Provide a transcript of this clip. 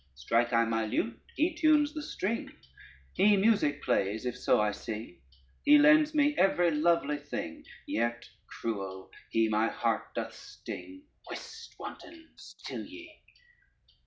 Strike I my lute, he tunes the string, He music plays if so I sing; He lends me every lovely thing, Yet cruel he my heart doth sting. Whist, wanton, still ye!